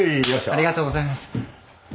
ありがとうございます。